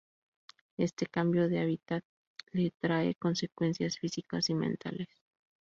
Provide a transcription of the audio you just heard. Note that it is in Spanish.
Este cambio de hábitat le trae consecuencias físicas y mentales.